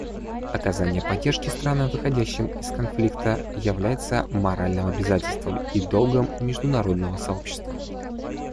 Оказание поддержки странам, выходящим из конфликта, является моральным обязательством и долгом международного сообщества.